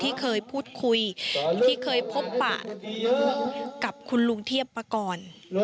ที่เคยพูดคุยที่เคยพบปะกับคุณลุงเทียบมาก่อน